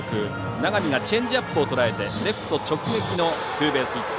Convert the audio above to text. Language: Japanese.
永見がチェンジアップをとらえてレフト直撃のツーベースヒット。